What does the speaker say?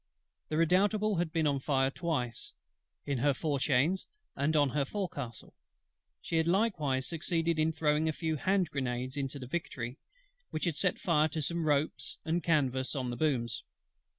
The Redoutable had been on fire twice, in her fore chains and on her forecastle: she had likewise succeeded in throwing a few hand grenades into the Victory, which set fire to some ropes and canvas on the booms.